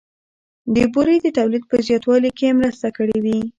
د بورې د تولید په زیاتوالي کې یې مرسته کړې وي